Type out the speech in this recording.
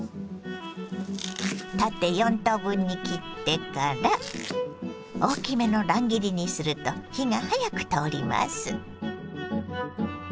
縦４等分に切ってから大きめの乱切りにすると火が早く通ります。